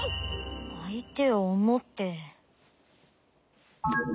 あいてをおもって。